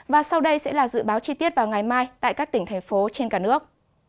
và sau đây sẽ là dự báo chi tiết vào ngày mai tại các tỉnh thành phố trên cả nước